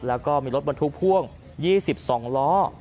แล้วก็มีรถบรรทุกพ่วง๒๒ล้อ